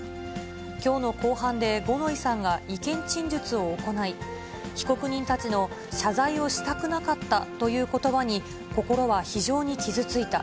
きょうの公判で、五ノ井さんが意見陳述を行い、被告人たちの謝罪をしたくなかったということばに心は非常に傷ついた。